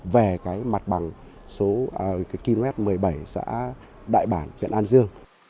về cái mặt bằng số km một mươi bảy xã đại bản huyện an dương